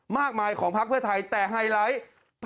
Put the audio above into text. มากมายของพักเพื่อไทยแต่ไฮไลท์